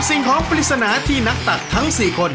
สิ่งของปริศนาที่นักตักทั้ง๔คน